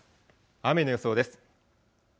雨の予想です。